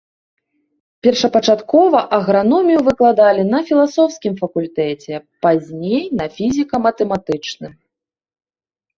Першапачаткова аграномію выкладалі на філасофскім факультэце, пазней на фізіка-матэматычным.